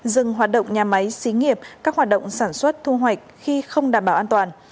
dừng hoạt động nhà máy xí nghiệp các hoạt động sản xuất thu hoạch khi không đảm bảo an toàn